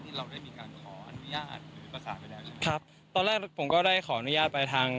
เราได้มีการขออนุญาตหรือประสานไปแล้วใช่ไหมครับตอนแรกผมก็ได้ขออนุญาตไปทาง